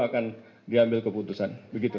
akan diambil keputusan begitu